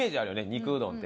肉うどんって。